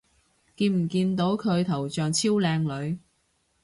見唔見到佢頭像超靚女